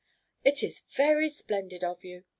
"It is very splendid of you."